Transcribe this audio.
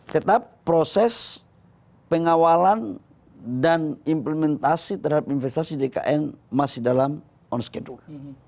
tetap proses pengawalan dan implementasi terhadap investasi di ikn masih dalam on schedule